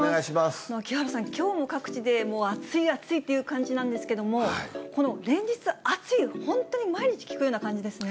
木原さん、きょうも各地で暑い暑いという感じなんですけれども、この連日暑い、本当に毎日聞くような感じですね。